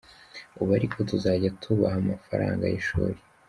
Ubu ariko tuzajya tubaha amafaranga y’ishuri”.